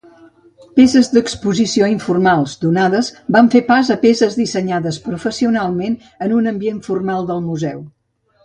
Peces d'exposició informals, donades van fer pas a peces dissenyades professionalment en un ambient formal de museu.